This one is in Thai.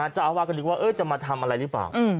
เจ้าอาวาสก็นึกว่าจะมาทำอะไรหรือเปล่า